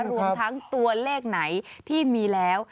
รวมทั้งตัวเลขไหนที่มีแล้ว